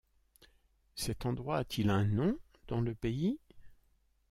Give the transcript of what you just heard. Cet endroit a-t-il un nom dans le pays?